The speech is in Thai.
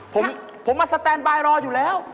ผมมาสแตนบายรออยู่แล้ว